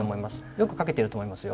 よく書けてると思いますよ。